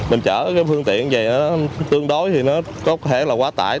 mình chở cái phương tiện vậy đó tương đối thì nó có thể là quá tải